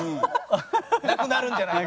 なくなるんじゃないかと。